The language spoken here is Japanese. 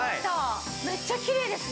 めっちゃきれいですね。